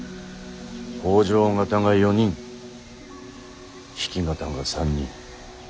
北条方が４人比企方が３人。